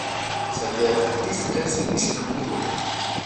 Su actividad artística se inicia en la pintura.